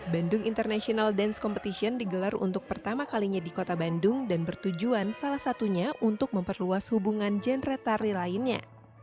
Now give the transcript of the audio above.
bandung international dance competition digelar untuk pertama kalinya di kota bandung dan bertujuan salah satunya untuk memperluas hubungan genre tari lainnya